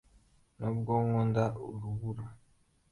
nubwo nkunda urubura,